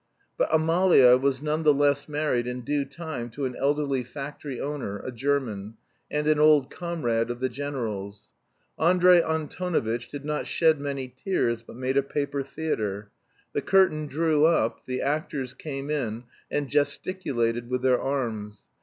But Amalia was none the less married in due time to an elderly factory owner, a German, and an old comrade of the general's. Andrey Antonovitch did not shed many tears, but made a paper theatre. The curtain drew up, the actors came in, and gesticulated with their arms.